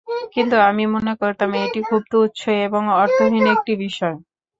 কিন্তু আমি মনে করতাম এটি খুব তুচ্ছ এবং অর্থহীন একটি বিষয়।